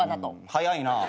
早いな。